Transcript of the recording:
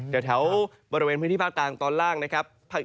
แถวบริเวณพื้นที่ภาคกลางตอนล่างนะครับ